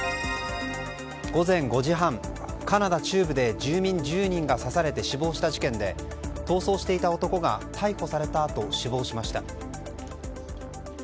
午前５時半、カナダ中部で住民１０人が刺されて死亡した事件で逃走していた男が逮捕されたあと死亡しました。